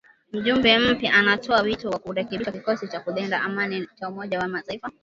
Mjumbe mpya anatoa wito wa kurekebishwa kikosi cha kulinda amani cha Umoja wa Mataifa.